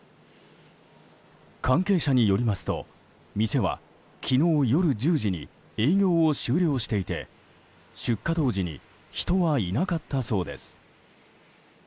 関係者によりますと店は昨日夜１０時に営業を終了していて、出火当時に人はいなかったそうです。